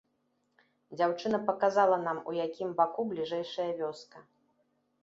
Дзяўчына паказала нам, у якім баку бліжэйшая вёска.